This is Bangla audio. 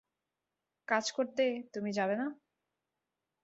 কাজ করতে, তুমি যাবে না?